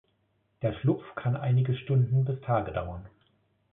Der Schlupf kann einige Stunden bis Tage dauern.